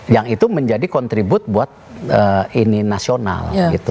yang itu menjadi kontribut buat nasional